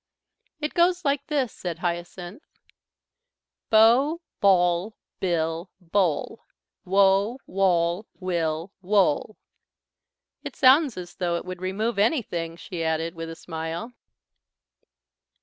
"It goes like this," said Hyacinth. "Bo, boll, bill, bole. Wo, woll, will, wole." "It sounds as though it would remove anything," she added, with a smile.